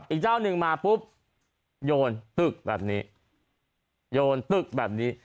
อีกเจ้าหนึ่งมาปุ๊บโยนตึกแบบนี้โยนตึกแบบนี้